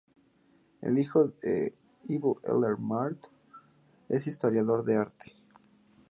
Su hijo Ivo Eller-Mart es historiador de arte.